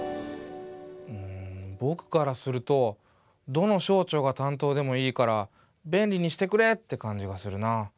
んぼくからするとどの省庁が担当でもいいから便利にしてくれって感じがするな。